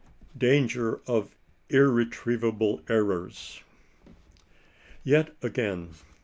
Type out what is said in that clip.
Ill DANGER OF IRRETRIEVABLE ERRORS. Yet again.